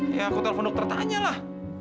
ya aku telpon dokter tanya lah